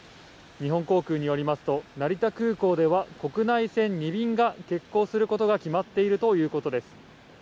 日本航空によりますと、成田空港では国内線２便が欠航することが決まっているということです。